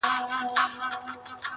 خلګ راغله و قاضي ته په فریاد سوه،